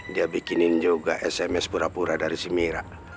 dia bikinin juga sms pura pura dari si mira